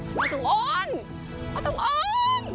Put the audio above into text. พ่อทองอ้อนพ่อทองอ้อน